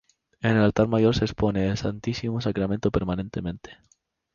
En el altar mayor se expone el Santísimo Sacramento permanentemente.